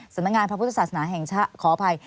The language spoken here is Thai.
สำนักงานพระพุทธศาสนาแห่งชาติขออภัย